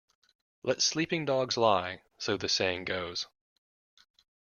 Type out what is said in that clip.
Let sleeping dogs lie, so the saying goes.